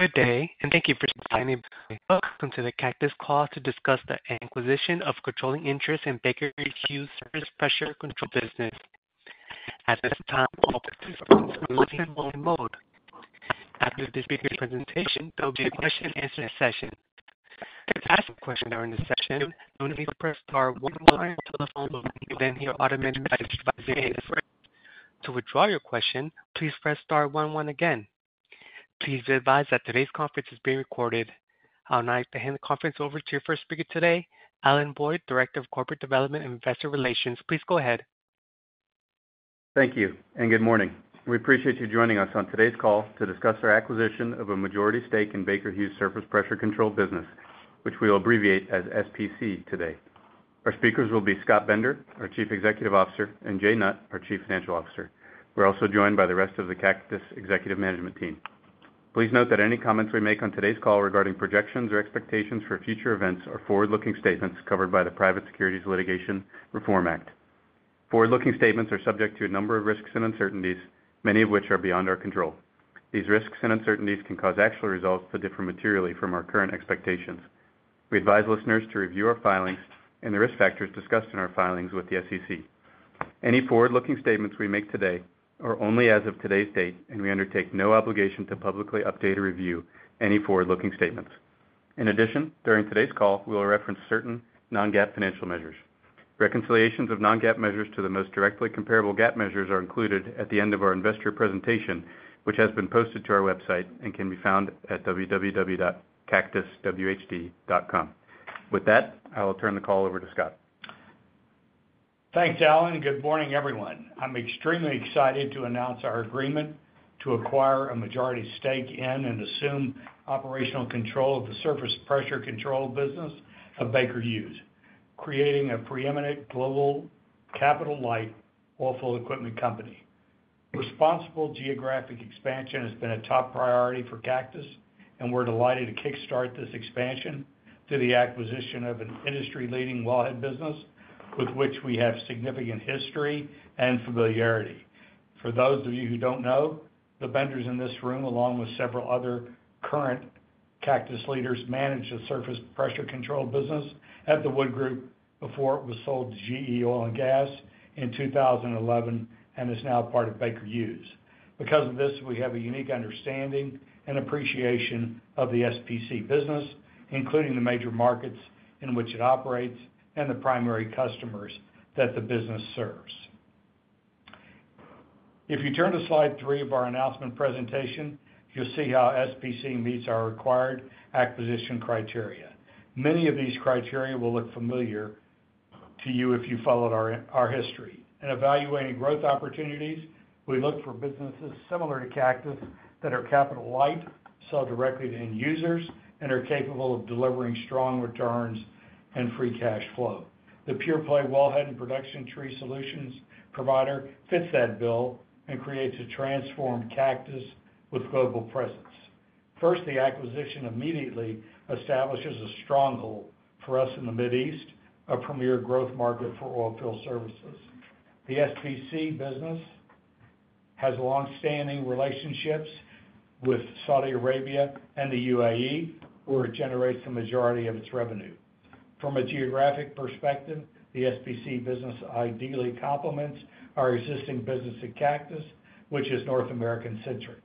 Good day, and thank you for taking time to join me for my talk. I'm going to the Cactus call to discuss the acquisition of controlling interest in Baker Hughes' Surface Pressure Control business. At this time, all participants are in listen-only mode. After this speaker's presentation, there will be a question-and-answer session. To ask a question during this session, you'll need to press star 1-1 on your telephone keypad, and you'll then hear automated notifications by VASF. To withdraw your question, please press star 1-1 again. Please be advised that today's conference is being recorded. I would now like to hand the conference over to your first speaker today, Alan Boyd, Director of Corporate Development and Investor Relations. Please go ahead. Thank you, and good morning. We appreciate you joining us on today's call to discuss our acquisition of a majority stake in Baker Hughes' Surface Pressure Control business, which we'll abbreviate as SPC today. Our speakers will be Scott Bender, our Chief Executive Officer, and Jay Nutt, our Chief Financial Officer. We're also joined by the rest of the Cactus executive management team. Please note that any comments we make on today's call regarding projections or expectations for future events are forward-looking statements covered by the Private Securities Litigation Reform Act. Forward-looking statements are subject to a number of risks and uncertainties, many of which are beyond our control. These risks and uncertainties can cause actual results that differ materially from our current expectations. We advise listeners to review our filings and the risk factors discussed in our filings with the SEC. Any forward-looking statements we make today are only as of today's date, and we undertake no obligation to publicly update or review any forward-looking statements. In addition, during today's call, we will reference certain non-GAAP financial measures. Reconciliations of non-GAAP measures to the most directly comparable GAAP measures are included at the end of our investor presentation, which has been posted to our website and can be found at www.cactuswhd.com. With that, I will turn the call over to Scott. Thanks, Alan. Good morning, everyone. I'm extremely excited to announce our agreement to acquire a majority stake in and assume operational control of the Surface Pressure Control business of Baker Hughes, creating a preeminent global capital-light offload equipment company. Responsible geographic expansion has been a top priority for Cactus, and we're delighted to kick-start this expansion through the acquisition of an industry-leading Wellhead business with which we have significant history and familiarity. For those of you who don't know, the Benders in this room, along with several other current Cactus leaders, managed the surface pressure control business at the Wood Group before it was sold to GE Oil & Gas in 2011 and is now part of Baker Hughes. Because of this, we have a unique understanding and appreciation of the SPC business, including the major markets in which it operates and the primary customers that the business serves. If you turn to slide three of our announcement presentation, you'll see how SPC meets our required acquisition criteria. Many of these criteria will look familiar to you if you followed our history. In evaluating growth opportunities, we look for businesses similar to Cactus that are capital-light, sell directly to end users, and are capable of delivering strong returns and free cash flow. The pure-play Wellhead and production tree solutions provider fits that bill and creates a transformed Cactus with global presence. First, the acquisition immediately establishes a stronghold for us in the Middle East, a premier growth market for oilfield services. The SPC business has long-standing relationships with Saudi Arabia and the U.A.E., where it generates the majority of its revenue. From a geographic perspective, the SPC business ideally complements our existing business at Cactus, which is North American-centric.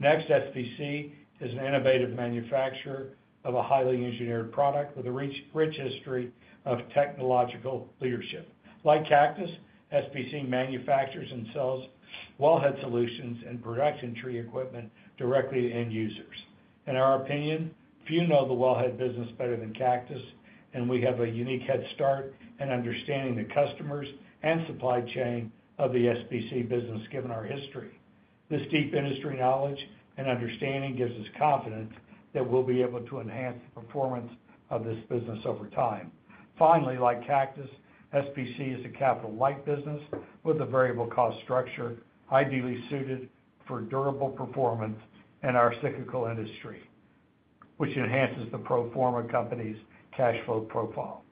Next, SPC is an innovative manufacturer of a highly engineered product with a rich history of technological leadership. Like Cactus, SPC manufactures and sells Wellhead solutions and production tree equipment directly to end users. In our opinion, few know the Wellhead business better than Cactus, and we have a unique head start in understanding the customers and supply chain of the SPC business, given our history. This deep industry knowledge and understanding gives us confidence that we'll be able to enhance the performance of this business over time. Finally, like Cactus, SPC is a capital-light business with a variable cost structure, ideally suited for durable performance in our cyclical industry, which enhances the pro forma company's cash flow profile.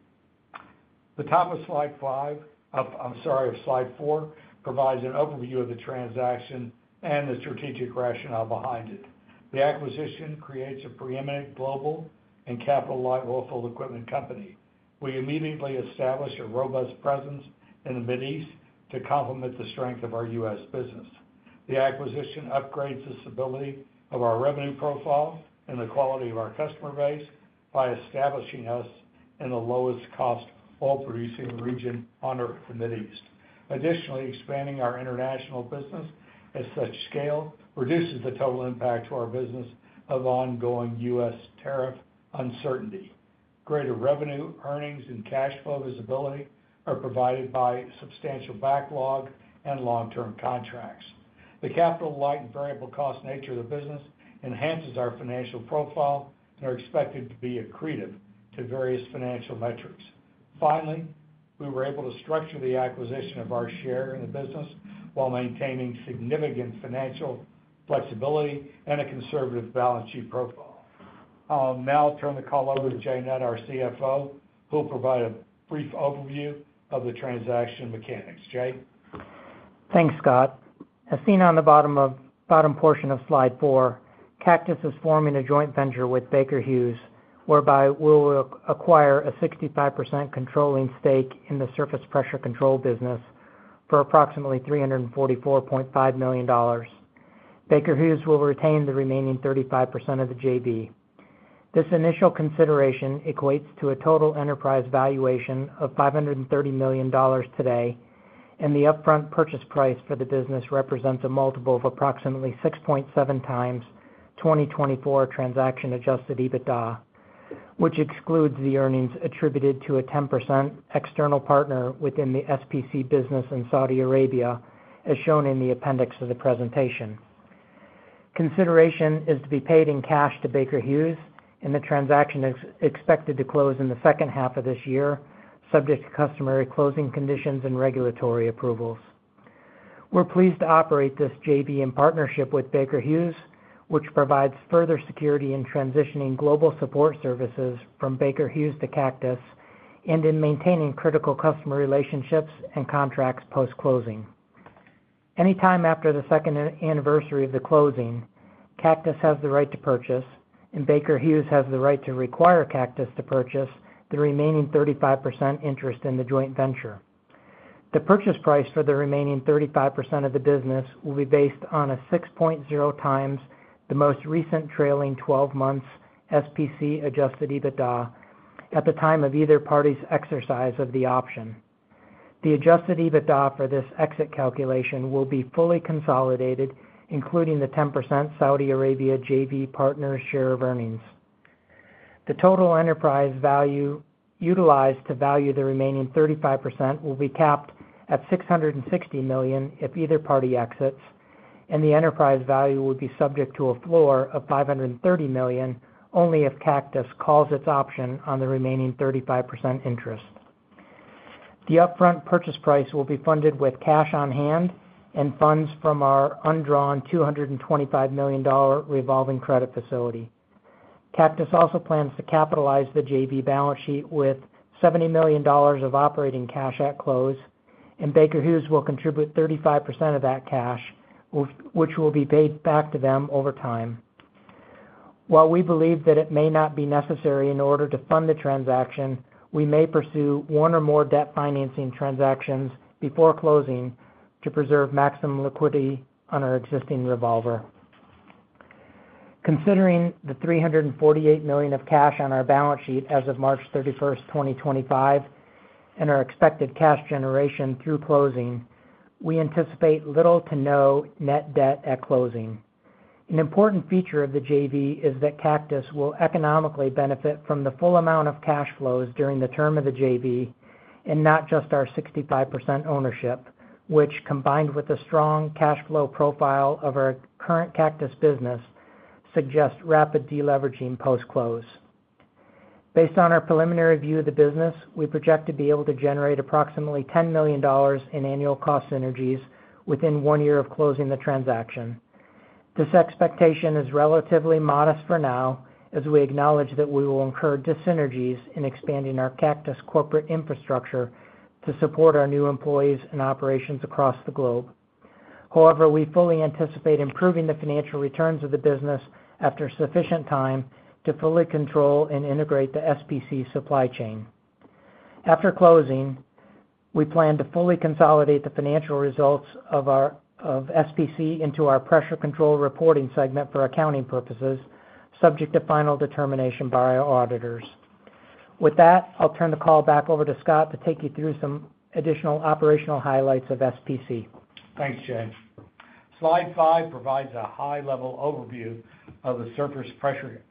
The top of slide five—I'm sorry, of slide four—provides an overview of the transaction and the strategic rationale behind it. The acquisition creates a preeminent global and capital-light offload equipment company. We immediately establish a robust presence in the Middle East to complement the strength of our U.S. business. The acquisition upgrades the stability of our revenue profile and the quality of our customer base by establishing us in the lowest-cost oil-producing region in the Middle East. Additionally, expanding our international business at such scale reduces the total impact to our business of ongoing U.S. tariff uncertainty. Greater revenue, earnings, and cash flow visibility are provided by substantial backlog and long-term contracts. The capital-light and variable cost nature of the business enhances our financial profile and is expected to be accretive to various financial metrics. Finally, we were able to structure the acquisition of our share in the business while maintaining significant financial flexibility and a conservative balance sheet profile. I'll now turn the call over to Jay Nutt, our CFO, who'll provide a brief overview of the transaction mechanics. Jay? Thanks, Scott. As seen on the bottom portion of slide four, Cactus is forming a joint venture with Baker Hughes, whereby we'll acquire a 65% controlling stake in the Surface Pressure Control business for approximately $344.5 million. Baker Hughes will retain the remaining 35% of the JV. This initial consideration equates to a total enterprise valuation of $530 million today, and the upfront purchase price for the business represents a multiple of approximately 6.7x 2024 transaction-adjusted EBITDA, which excludes the earnings attributed to a 10% external partner within the SPC business in Saudi Arabia, as shown in the appendix of the presentation. Consideration is to be paid in cash to Baker Hughes, and the transaction is expected to close in the second half of this year, subject to customary closing conditions and regulatory approvals. We're pleased to operate this JV in partnership with Baker Hughes, which provides further security in transitioning global support services from Baker Hughes to Cactus and in maintaining critical customer relationships and contracts post-closing. Anytime after the second anniversary of the closing, Cactus has the right to purchase, and Baker Hughes has the right to require Cactus to purchase the remaining 35% interest in the joint venture. The purchase price for the remaining 35% of the business will be based on a 6.0x the most recent trailing 12 months SPC-adjusted EBITDA at the time of either party's exercise of the option. The adjusted EBITDA for this exit calculation will be fully consolidated, including the 10% Saudi Arabia JV partner's share of earnings. The total enterprise value utilized to value the remaining 35% will be capped at $660 million if either party exits, and the enterprise value will be subject to a floor of $530 million only if Cactus calls its option on the remaining 35% interest. The upfront purchase price will be funded with cash on hand and funds from our undrawn $225 million revolving credit facility. Cactus also plans to capitalize the JV balance sheet with $70 million of operating cash at close, and Baker Hughes will contribute 35% of that cash, which will be paid back to them over time. While we believe that it may not be necessary in order to fund the transaction, we may pursue one or more debt financing transactions before closing to preserve maximum liquidity on our existing revolver. Considering the $348 million of cash on our balance sheet as of March 31st, 2025, and our expected cash generation through closing, we anticipate little to no net debt at closing. An important feature of the JV is that Cactus will economically benefit from the full amount of cash flows during the term of the JV and not just our 65% ownership, which, combined with the strong cash flow profile of our current Cactus business, suggests rapid deleveraging post-close. Based on our preliminary view of the business, we project to be able to generate approximately $10 million in annual cost synergies within one year of closing the transaction. This expectation is relatively modest for now, as we acknowledge that we will incur dis-synergies in expanding our Cactus corporate infrastructure to support our new employees and operations across the globe. However, we fully anticipate improving the financial returns of the business after sufficient time to fully control and integrate the SPC supply chain. After closing, we plan to fully consolidate the financial results of SPC into our Pressure Control reporting segment for accounting purposes, subject to final determination by our auditors. With that, I'll turn the call back over to Scott to take you through some additional operational highlights of SPC. Thanks, Jay. Slide five provides a high-level overview of the Surface Pressure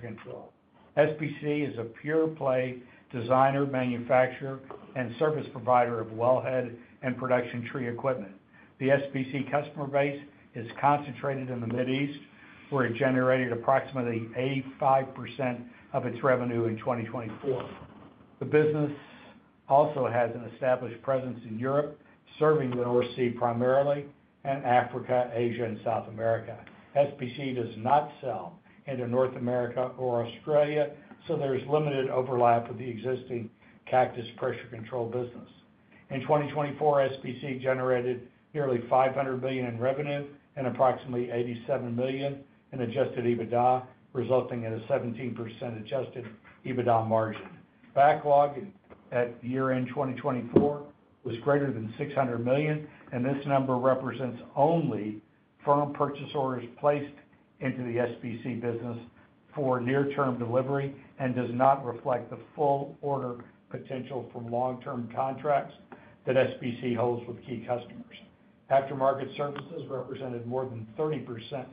Control. SPC is a pure-play designer, manufacturer, and service provider of Wellhead and production tree equipment. The SPC customer base is concentrated in the Mid East, where it generated approximately 85% of its revenue in 2024. The business also has an established presence in Europe, serving the North Sea primarily, and Africa, Asia, and South America. SPC does not sell into North America or Australia, so there's limited overlap with the existing Cactus Pressure Control business. In 2024, SPC generated nearly $500 million in revenue and approximately $87 million in adjusted EBITDA, resulting in a 17% adjusted EBITDA margin. Backlog at year-end 2024 was greater than $600 million, and this number represents only firm purchase orders placed into the SPC business for near-term delivery and does not reflect the full order potential from long-term contracts that SPC holds with key customers. Aftermarket services represented more than 30%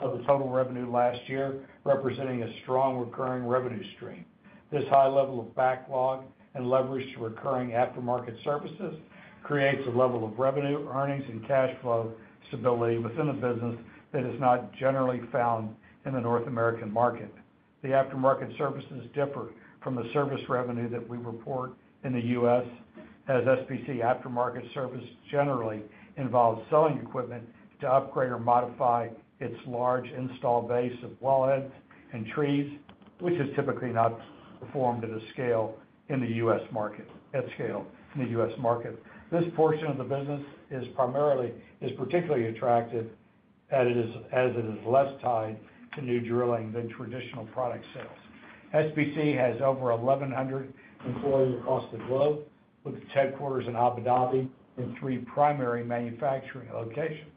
of the total revenue last year, representing a strong recurring revenue stream. This high level of backlog and leverage to recurring aftermarket services creates a level of revenue, earnings, and cash flow stability within the business that is not generally found in the North American market. The aftermarket services differ from the service revenue that we report in the U.S., as SPC aftermarket service generally involves selling equipment to upgrade or modify its large install base of Wellheads and trees, which is typically not performed at a scale in the U.S. market. This portion of the business is particularly attractive as it is less tied to new drilling than traditional product sales. SPC has over 1,100 employees across the globe, with its headquarters in Abu Dhabi and three primary manufacturing locations.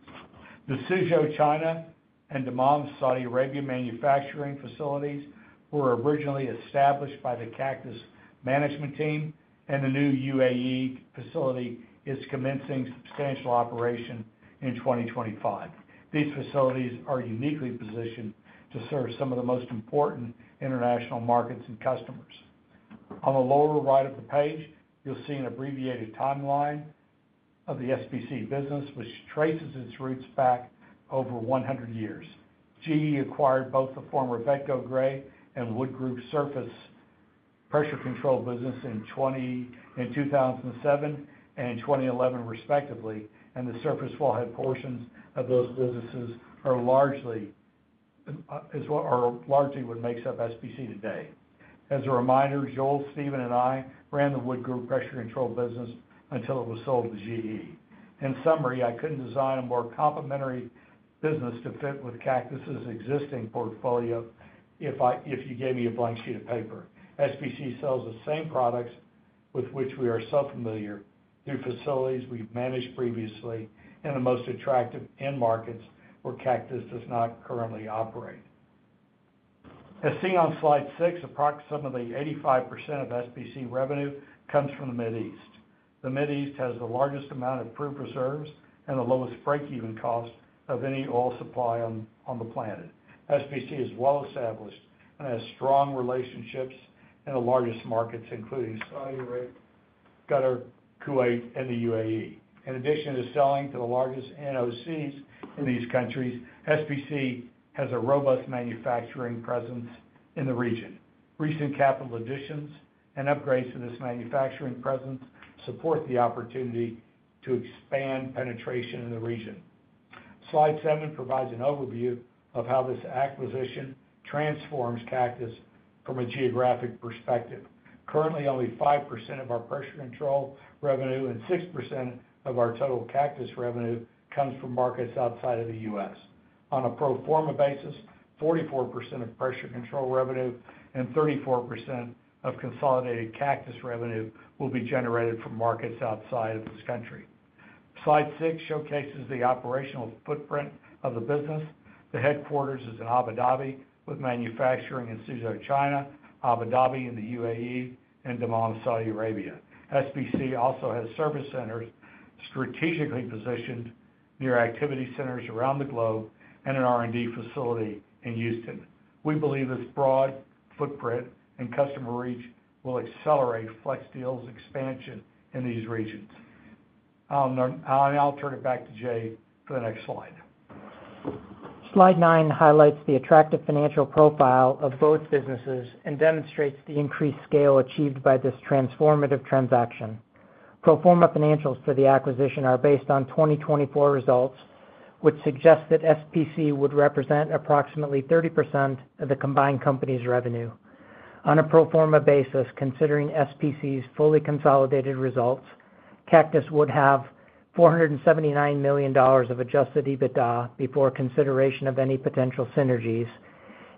The Suzhou, China and Dammam, Saudi Arabia manufacturing facilities were originally established by the Cactus management team, and the new U.A.E. facility is commencing substantial operation in 2025. These facilities are uniquely positioned to serve some of the most important international markets and customers. On the lower right of the page, you'll see an abbreviated timeline of the SPC business, which traces its roots back over 100 years. GE acquired both the former Vetco Gray and Wood Group surface pressure control business in 2007 and 2011, respectively, and the surface Wellhead portions of those businesses are largely what makes up SPC today. As a reminder, Joel, Stephen, and I ran the Wood Group Pressure Control business until it was sold to GE. In summary, I couldn't design a more complimentary business to fit with Cactus's existing portfolio if you gave me a blank sheet of paper. SPC sells the same products with which we are so familiar through facilities we've managed previously in the most attractive end markets where Cactus does not currently operate. As seen on slide six, approximately 85% of SPC revenue comes from the Mid East. The Mid East has the largest amount of crude reserves and the lowest break-even cost of any oil supply on the planet. SPC is well established and has strong relationships in the largest markets, including Saudi Arabia, Qatar, Kuwait, and the U.A.E.. In addition to selling to the largest NOCs in these countries, SPC has a robust manufacturing presence in the region. Recent capital additions and upgrades to this manufacturing presence support the opportunity to expand penetration in the region. Slide seven provides an overview of how this acquisition transforms Cactus from a geographic perspective. Currently, only 5% of our Pressure Control revenue and 6% of our total Cactus revenue comes from markets outside of the U.S. On a pro forma basis, 44% of Pressure Control revenue and 34% of consolidated Cactus revenue will be generated from markets outside of this country. Slide six showcases the operational footprint of the business. The headquarters is in Abu Dhabi, with manufacturing in Suzhou, China, Abu Dhabi in the U.A.E., and Dammam, Saudi Arabia. SPC also has service centers strategically positioned near activity centers around the globe and an R&D facility in Houston. We believe this broad footprint and customer reach will accelerate FlexSteel's expansion in these regions. I'll turn it back to Jay for the next slide. Slide nine highlights the attractive financial profile of both businesses and demonstrates the increased scale achieved by this transformative transaction. Pro forma financials for the acquisition are based on 2024 results, which suggest that SPC would represent approximately 30% of the combined company's revenue. On a pro forma basis, considering SPC's fully consolidated results, Cactus would have $479 million of adjusted EBITDA before consideration of any potential synergies,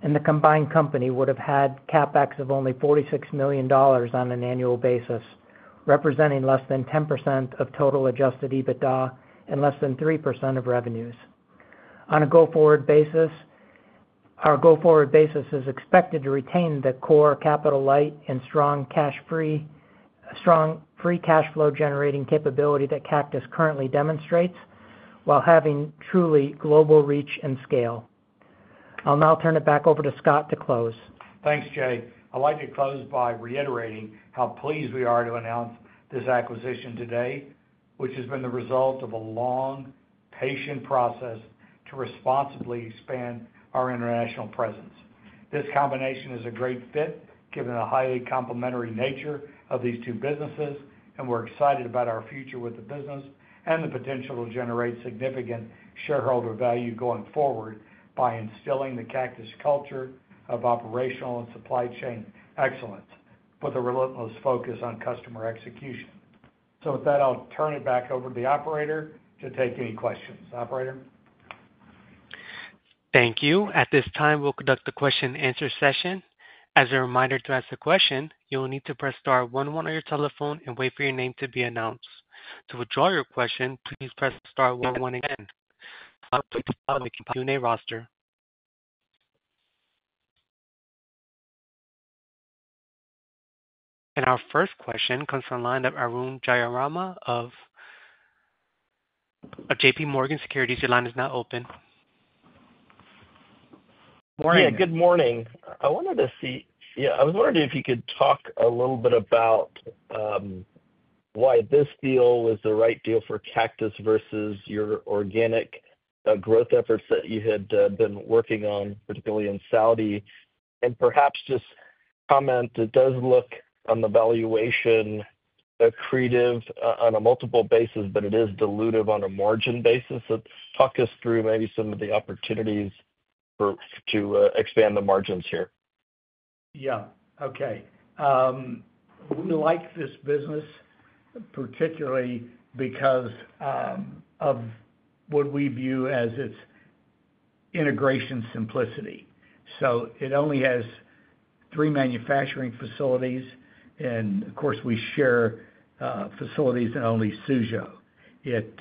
and the combined company would have had CapEx of only $46 million on an annual basis, representing less than 10% of total adjusted EBITDA and less than 3% of revenues. On a go forward basis, our go forward basis is expected to retain the core capital-light and strong free cash flow generating capability that Cactus currently demonstrates while having truly global reach and scale. I'll now turn it back over to Scott to close. Thanks, Jay. I'd like to close by reiterating how pleased we are to announce this acquisition today, which has been the result of a long, patient process to responsibly expand our international presence. This combination is a great fit given the highly complementary nature of these two businesses, and we're excited about our future with the business and the potential to generate significant shareholder value going forward by instilling the Cactus culture of operational and supply chain excellence with a relentless focus on customer execution. With that, I'll turn it back over to the operator to take any questions. Operator. Thank you. At this time, we'll conduct the question-and-answer session. As a reminder, to ask a question, you'll need to press star 11 on your telephone and wait for your name to be announced. To withdraw your question, please press star 11 again. Please follow the Q&A roster. Our first question comes from Arun Jayaram of JPMorgan Securities. Your line is now open. Yeah, good morning. I wanted to see, yeah, I was wondering if you could talk a little bit about why this deal was the right deal for Cactus versus your organic growth efforts that you had been working on, particularly in Saudi. Perhaps just comment, it does look on the valuation accretive on a multiple basis, but it is dilutive on a margin basis. Talk us through maybe some of the opportunities to expand the margins here. Yeah. Okay. We like this business particularly because of what we view as its integration simplicity. It only has three manufacturing facilities, and of course, we share facilities in only Suzhou. It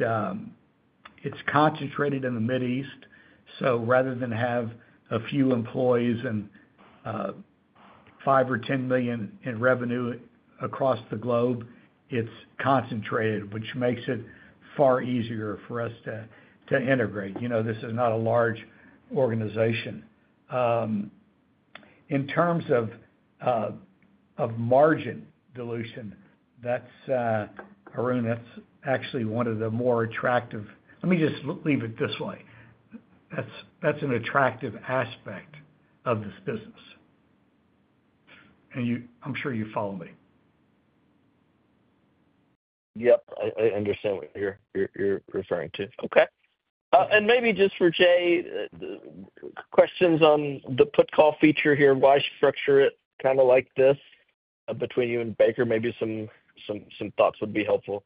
is concentrated in the Mid East, so rather than have a few employees and $5 million-$10 million in revenue across the globe, it is concentrated, which makes it far easier for us to integrate. This is not a large organization. In terms of margin dilution, Arun, that is actually one of the more attractive—let me just leave it this way. That is an attractive aspect of this business. I am sure you follow me. Yep. I understand what you're referring to. Okay. Maybe just for Jay, questions on the put-call feature here, why structure it kind of like this between you and Baker? Maybe some thoughts would be helpful.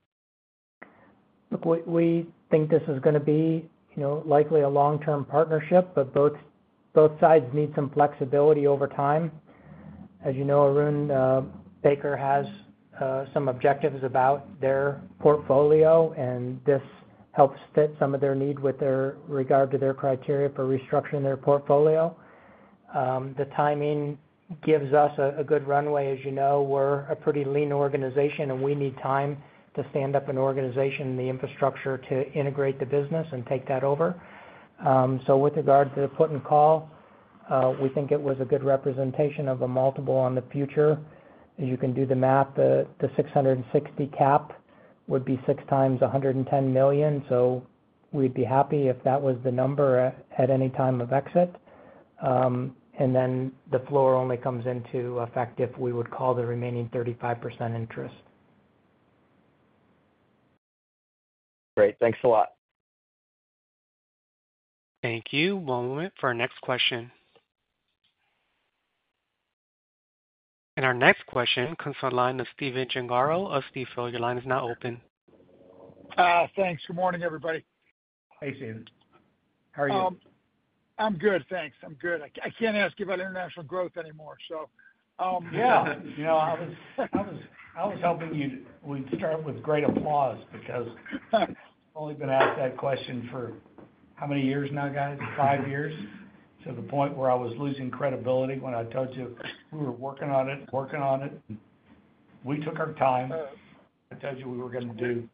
Look, we think this is going to be likely a long-term partnership, but both sides need some flexibility over time. As you know, Arun, Baker has some objectives about their portfolio, and this helps fit some of their need with regard to their criteria for restructuring their portfolio. The timing gives us a good runway. As you know, we're a pretty lean organization, and we need time to stand up an organization and the infrastructure to integrate the business and take that over. With regard to the put-and-call, we think it was a good representation of a multiple on the future. As you can do the math, the $660 million cap would be 6x $110 million, so we'd be happy if that was the number at any time of exit. The floor only comes into effect if we would call the remaining 35% interest. Great. Thanks a lot. Thank you. One moment for our next question. Our next question comes from Stephen Gengaro. Steph, your line is now open. Thanks. Good morning, everybody. Hey, Stephen. How are you? I'm good. Thanks. I can't ask you about international growth anymore. Yeah. I was hoping we'd start with great applause because I've only been asked that question for how many years now, guys? Five years? To the point where I was losing credibility when I told you we were working on it, working on it, and we took our time. I told you we were going to do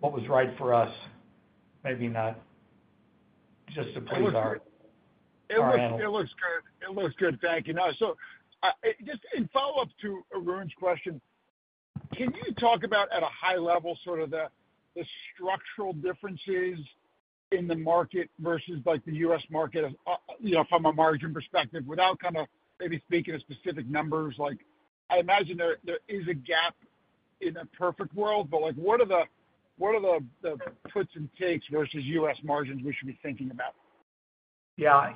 what was right for us. Maybe not. Just to please our man. It looks good. It looks good. Thank you. Just in follow-up to Arun's question, can you talk about at a high level sort of the structural differences in the market versus the U.S. market from a margin perspective without kind of maybe speaking of specific numbers? I imagine there is a gap in a perfect world, but what are the puts and takes versus U.S. margins we should be thinking about? Yeah.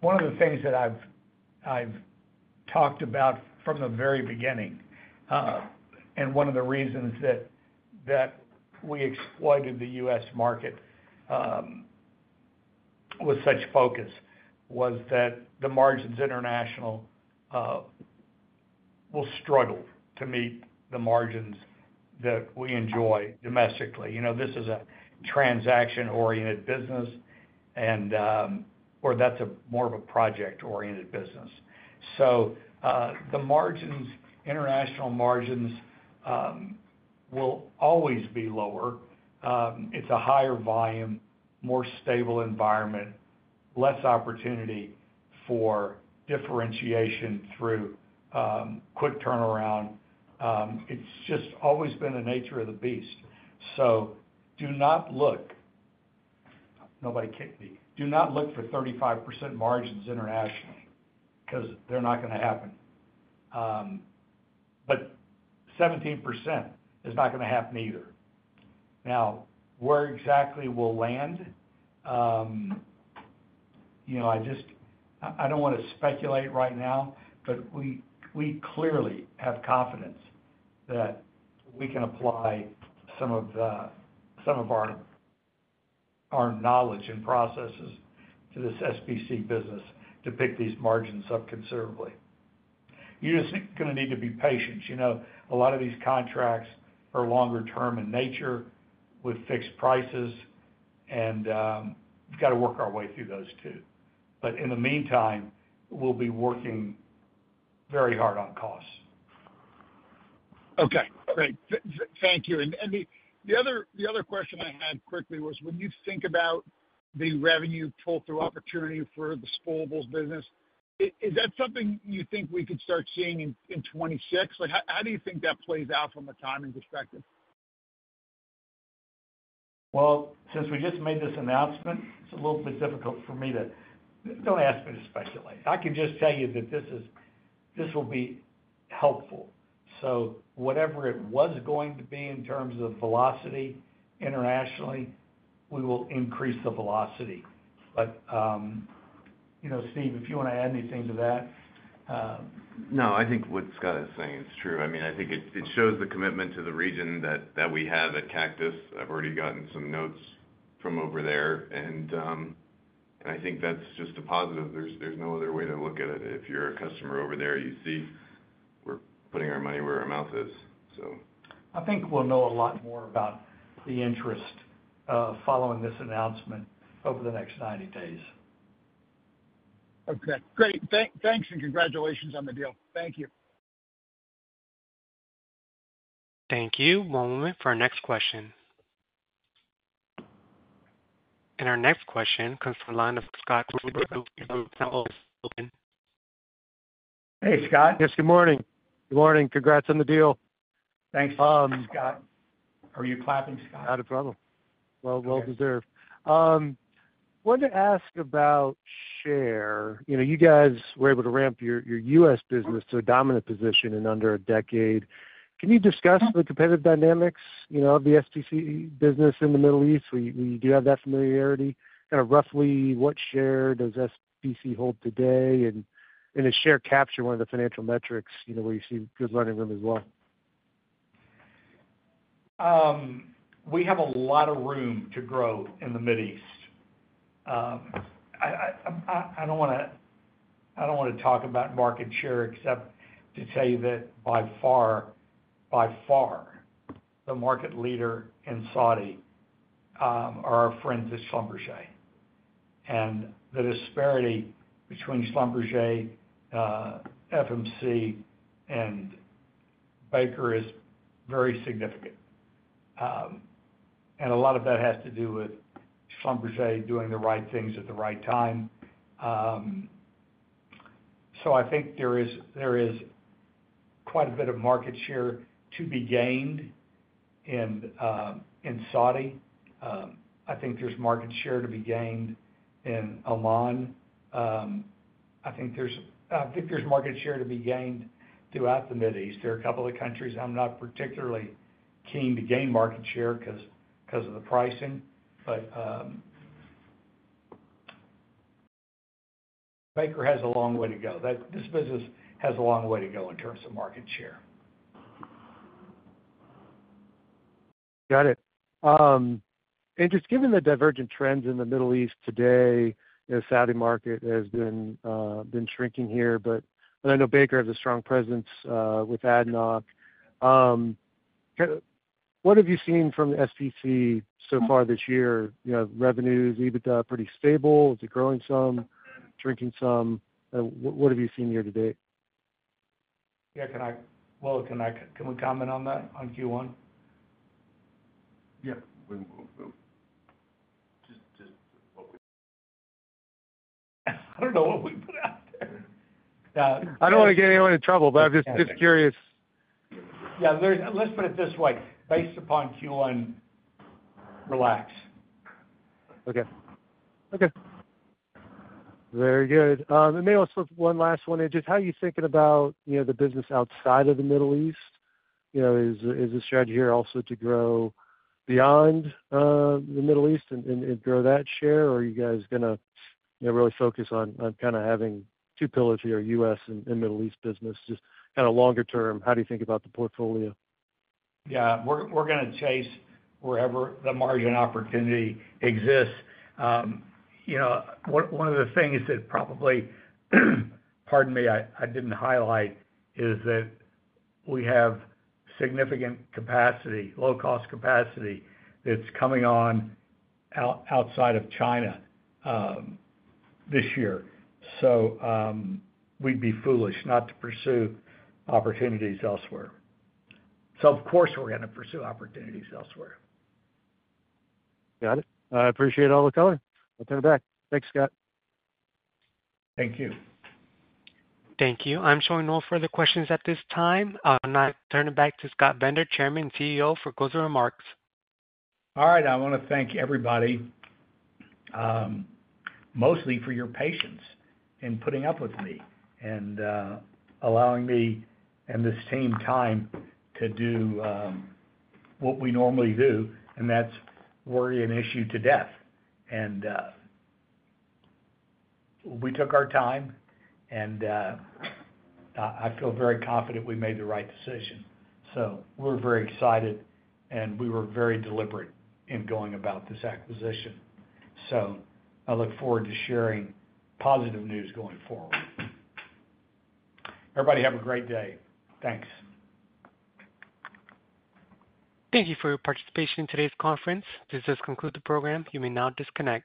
One of the things that I've talked about from the very beginning, and one of the reasons that we exploited the U.S. market with such focus was that the margins international will struggle to meet the margins that we enjoy domestically. This is a transaction-oriented business, or that's more of a project-oriented business. The international margins will always be lower. It's a higher volume, more stable environment, less opportunity for differentiation through quick turnaround. It's just always been the nature of the beast. Do not look—nobody kicked me—do not look for 35% margins internationally because they're not going to happen. 17% is not going to happen either. Now, where exactly we'll land, I don't want to speculate right now, but we clearly have confidence that we can apply some of our knowledge and processes to this SPC business to pick these margins up considerably. You're just going to need to be patient. A lot of these contracts are longer-term in nature with fixed prices, and we've got to work our way through those too. In the meantime, we'll be working very hard on costs. Okay. Great. Thank you. The other question I had quickly was, when you think about the revenue pull-through opportunity for the Spoolable business, is that something you think we could start seeing in 2026? How do you think that plays out from a timing perspective? Since we just made this announcement, it's a little bit difficult for me to—don't ask me to speculate. I can just tell you that this will be helpful. So whatever it was going to be in terms of velocity internationally, we will increase the velocity. Steve, if you want to add anything to that. No, I think what Scott is saying is true. I mean, I think it shows the commitment to the region that we have at Cactus. I've already gotten some notes from over there, and I think that's just a positive. There is no other way to look at it. If you're a customer over there, you see we're putting our money where our mouth is, so. I think we'll know a lot more about the interest following this announcement over the next 90 days. Okay. Great. Thanks and congratulations on the deal. Thank you. Thank you. One moment for our next question. Our next question comes from Lionel Scott. Hey, Scott. Yes, good morning. Good morning. Congrats on the deal. Thanks, Scott. Are you clapping, Scott? Not a problem. Well deserved. I wanted to ask about share. You guys were able to ramp your U.S. business to a dominant position in under a decade. Can you discuss the competitive dynamics of the SPC business in the Middle East? We do have that familiarity. Kind of roughly, what share does SPC hold today? Does share capture one of the financial metrics where you see good learning room as well? We have a lot of room to grow in the Mid East. I do not want to talk about market share except to tell you that by far, by far, the market leader in Saudi are our friends as Schlumberger. The disparity between Schlumberger, FMC, and Baker is very significant. A lot of that has to do with Schlumberger doing the right things at the right time. I think there is quite a bit of market share to be gained in Saudi. I think there is market share to be gained in Oman. I think there is market share to be gained throughout the Mid East. There are a couple of countries I am not particularly keen to gain market share because of the pricing, but Baker has a long way to go. This business has a long way to go in terms of market share. Got it. Just given the divergent trends in the Middle East today, the Saudi market has been shrinking here, but I know Baker has a strong presence with ADNOC. What have you seen from the SPC so far this year? Revenues, EBITDA, pretty stable? Is it growing some, shrinking some? What have you seen year to date? Yeah. Can I—can we comment on that on Q1? Yeah. Just what we— I don't know what we put out there. I don't want to get anyone in trouble, but I'm just curious. Yeah. Let's put it this way. Based upon Q1, relax. Okay. Okay. Very good. Maybe also one last one is just how are you thinking about the business outside of the Middle East? Is the strategy here also to grow beyond the Middle East and grow that share, or are you guys going to really focus on kind of having two pillars here, U.S. and Middle East business? Just kind of longer term, how do you think about the portfolio? Yeah. We're going to chase wherever the margin opportunity exists. One of the things that probably—pardon me, I didn't highlight—is that we have significant capacity, low-cost capacity that's coming on outside of China this year. We'd be foolish not to pursue opportunities elsewhere. Of course, we're going to pursue opportunities elsewhere. Got it. I appreciate all the color. I'll turn it back. Thanks, Scott. Thank you. Thank you. I'm showing no further questions at this time. I'll now turn it back to Scott Bender, Chairman and CEO, for closing remarks. All right. I want to thank everybody mostly for your patience in putting up with me and allowing me and this team time to do what we normally do, and that's worry an issue to death. We took our time, and I feel very confident we made the right decision. We are very excited, and we were very deliberate in going about this acquisition. I look forward to sharing positive news going forward. Everybody have a great day. Thanks. Thank you for your participation in today's conference. This does conclude the program. You may now disconnect.